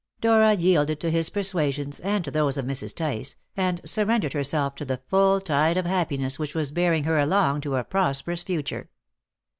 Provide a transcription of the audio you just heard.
Dora yielded to his persuasions and to those of Mrs. Tice, and surrendered herself to the full tide of happiness which was bearing her along to a prosperous future.